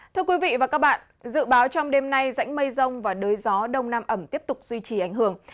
thưa quý vị và các bạn dự báo trong đêm nay rãnh mây rông và đới gió đông nam ẩm tiếp tục duy trì ảnh hưởng